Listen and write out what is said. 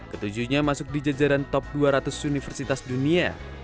ketujuhnya masuk di jajaran top dua ratus universitas dunia